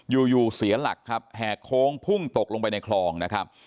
อยู่อยู่เสียหลักครับแหกโค้งพุ่งตกลงไปในคลองนะครับ